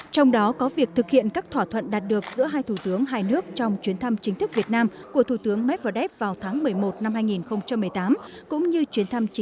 trong đó có việc thực hiện các thỏa thuận đạt được giữa hai thủ tướng hai nước trong chuyến thăm chính thức việt nam của thủ tướng medvedev vào tháng một mươi một năm hai nghìn một mươi tám